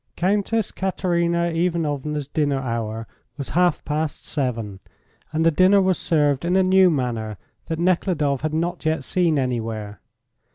Countess Katerina Ivanovna's dinner hour was half past seven, and the dinner was served in a new manner that Nekhludoff had not yet seen anywhere.